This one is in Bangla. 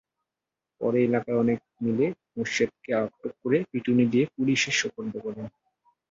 পরে এলাকার অনেকে মিলে মোরশেদকে আটক করে পিটুনি দিয়ে পুলিশে সোপর্দ করেন।